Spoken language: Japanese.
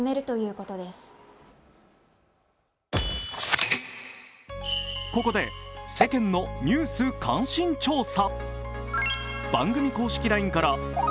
ここで世間のニュース関心調査。